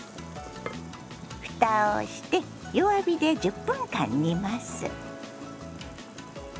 ふたをして弱火で１０分間煮ます。